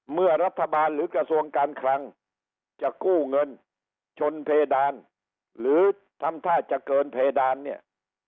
เมื่อรัฐบาลหรือกระทรวงการคลังจะกู้เงินชนเพดานหรือทำท่าจะเกินเพดานเนี่ย